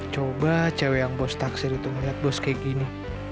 coba cewek yang bos taksir itu melihat bos kayak gini